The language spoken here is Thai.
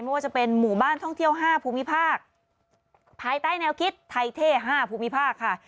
ไม่ว่าจะเป็นหมู่บ้านท่องเที่ยว๕ภูมิภาคภายใต้แนวคิดไทยเท่๕ภูมิภาคค่ะ